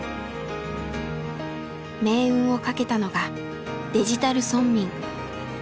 命運をかけたのが「デジタル村民」。